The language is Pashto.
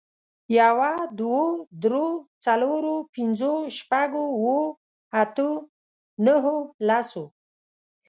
يوه، دوو، درو، څلورو، پنځو، شپږو، اوو، اتو، نهو، لسو